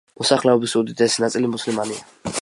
მოსახლეობის უდიდესი ნაწილი მუსულმანია.